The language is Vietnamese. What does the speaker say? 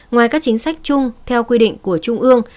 ngoài các chính sách chung theo quy định của trung ương